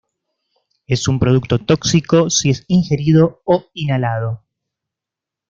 Es un producto tóxico si es ingerido o inhalado.